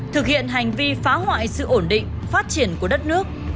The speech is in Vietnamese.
thực hiện hành vi phá hoại sự ổn định phát triển của đất nước